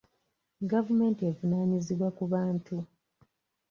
Gavumenti evunaanyizibwa ku bantu.